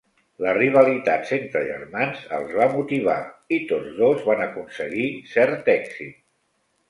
La rivalitat entre germans els va motivar, i tots dos van aconseguir cert èxit.